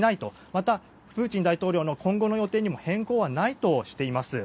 またプーチン大統領の今後の予定にも変更はないとしています。